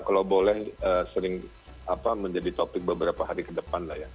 kalau boleh sering menjadi topik beberapa hari ke depan lah ya